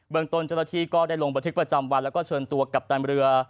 ตนเจ้าหน้าที่ก็ได้ลงบันทึกประจำวันแล้วก็เชิญตัวกัปตันเรือ